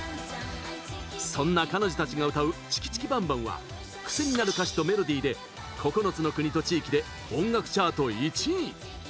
そんな彼女たちが歌う「チキチキバンバン」はクセになる歌詞とメロディーで９つの国と地域で音楽チャート１位。